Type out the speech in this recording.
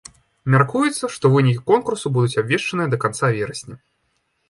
Мяркуецца, што вынікі конкурсу будуць абвешчаныя да канца верасня.